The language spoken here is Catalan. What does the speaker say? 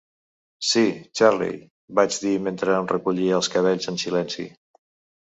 "Sí, Charley", vaig dir mentre em recollia els cabells en silenci.